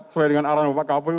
sesuai dengan arahan bapak kapolri